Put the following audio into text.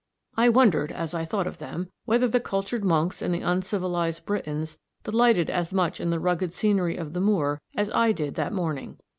I wondered, as I thought of them, whether the cultured monks and the uncivilised Britons delighted as much in the rugged scenery of the moor as I did that morning.